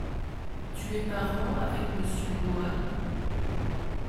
Tu es parent avec monsieur Mohan ?